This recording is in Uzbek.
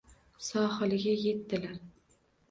Sohiliga yetdilar.